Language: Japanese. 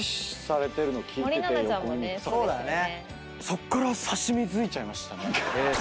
そっから刺し身づいちゃいましたね。